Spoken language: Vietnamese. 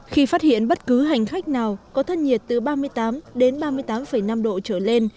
khi phát hiện bất cứ hành khách nào có thân nhiệt từ ba mươi tám đến ba mươi tám năm độ trở lên